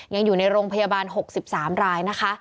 ยังอยู่ในโรงพยาบาล๖๓รายนะคะ